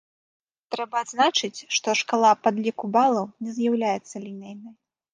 Трэба адзначыць, што шкала падліку балаў не з'яўляецца лінейнай.